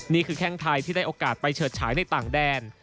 แข้งไทยที่ได้โอกาสไปเฉิดฉายในต่างแดน